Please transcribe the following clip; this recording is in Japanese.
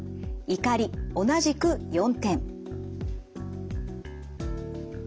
怒り同じく４点。